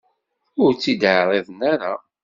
Ur tt-id-ɛriḍen ara.